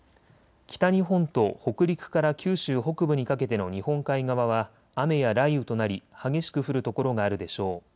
北日本と北陸から九州北部にかけての日本海側は雨や雷雨となり激しく降る所があるでしょう。